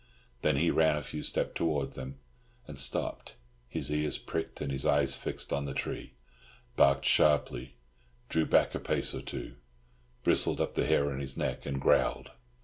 Then he ran a few steps towards them, and stopped, his ears pricked and his eyes fixed on the tree; barked sharply, drew back a pace or two, bristled up the hair on his neck, and growled.